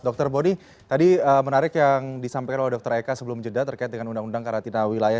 dr boni tadi menarik yang disampaikan oleh dr eka sebelum jeda terkait dengan undang undang karantina wilayah